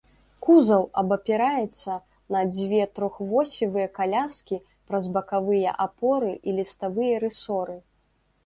Кузаў абапіраецца на дзве трохвосевыя каляскі праз бакавыя апоры і ліставыя рысоры.